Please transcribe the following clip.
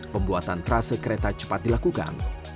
pembuatan trase kereta cepat dilakukan